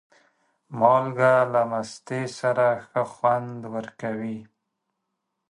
مالګه له مستې سره ښه خوند ورکوي.